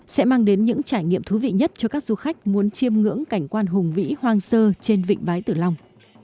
sẽ mang đến những trải nghiệm thú vị nhất cho các du khách muốn chiêm ngưỡng cảnh quan hùng vĩ hoang sơ trên vịnh bái tử long